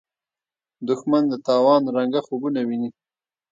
دښمن د تاوان رنګه خوبونه ویني